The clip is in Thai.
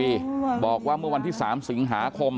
พี่สาวของเธอบอกว่ามันเกิดอะไรขึ้นกับพี่สาวของเธอ